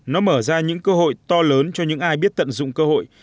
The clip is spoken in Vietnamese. nó mở ra những cơ hội to lớn cho những ai biết tận dụng cơ hội